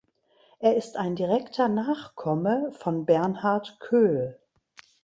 Er ist ein direkter Nachkomme von Bernhard Köhl.